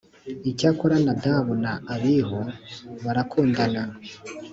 icyakora nadabu na abihu barakundana.